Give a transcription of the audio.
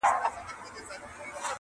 لويي زامې، لویه خېټه پنډ ورنونه -